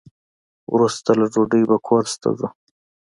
وروسته له ډوډۍ به کورس ته ځو.